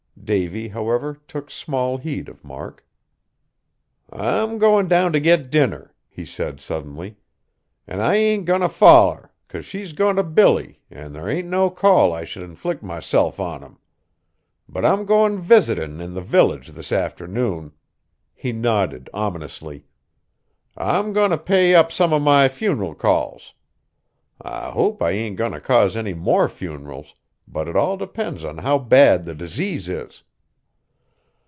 Davy, however, took small heed of Mark. "I'm goin' down t' get dinner!" he said suddenly, "an' I ain't goin' t' foller, 'cause she's goin' t' Billy an' there ain't no call I should inflict myself on 'em. But I'm goin' visitin' in the village this afternoon," he nodded ominously, "I'm goin' t' pay up some o' my funeral calls. I hope I ain't goin' t' cause any more funerals, but it all depends on how bad the disease is!"